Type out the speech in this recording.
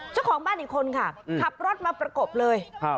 เจ้าของบ้านอีกคนค่ะขับรถมาประกบเลย